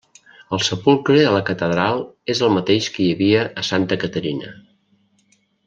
El sepulcre a la catedral és el mateix que hi havia a Santa Caterina.